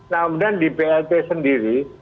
nah kemudian di plt sendiri